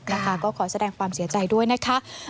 นะคะก็ขอแสดงความเสียใจด้วยนะคะ